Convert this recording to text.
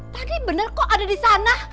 tadi benar kok ada di sana